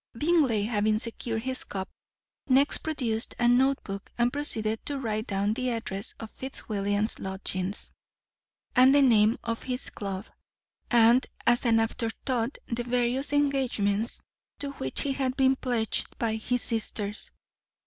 Bingley, having secured his cup, next produced a notebook and proceeded to write down the address of Fitzwilliam's lodgings and the name of his club, and, as an afterthought, the various engagements to which he had been pledged by his sisters.